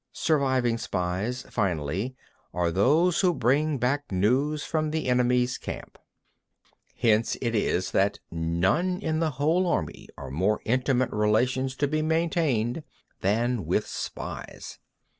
13. Surviving spies, finally, are those who bring back news from the enemy's camp. 14. Hence it is that with none in the whole army are more intimate relations to be maintained than with spies.